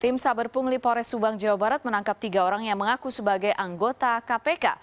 tim saber pungli pores subang jawa barat menangkap tiga orang yang mengaku sebagai anggota kpk